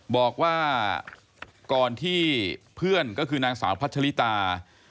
บอกว่าก่อนที่เพื่อนก็คือนางสาวพัชลิตา